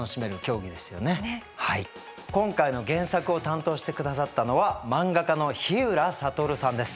今回の原作を担当してくださったのは漫画家のひうらさとるさんです。